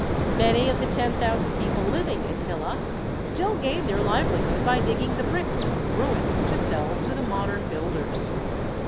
Many of the ten thousand people living in Hillah still gain their livelihood by digging the bricks from the ruins to sell to the modern builders.